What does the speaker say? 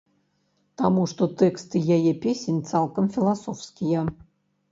Таму што тэксты яе песень цалкам філасофскія.